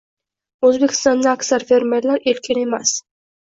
—O‘zbekistonda aksar fermerlar erkin emas.